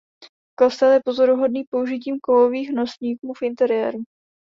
Kostel je pozoruhodný použitím kovových nosníků v interiéru.